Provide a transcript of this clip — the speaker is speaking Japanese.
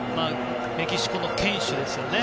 メキシコの堅守ですよね。